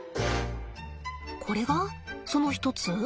これがその一つ？